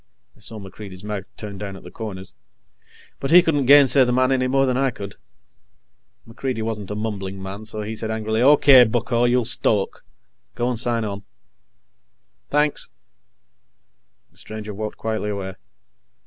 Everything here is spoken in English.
I saw MacReidie's mouth turn down at the corners. But he couldn't gainsay the man any more than I could. MacReidie wasn't a mumbling man, so he said angrily: "O.K., bucko, you'll stoke. Go and sign on." "Thanks." The stranger walked quietly away.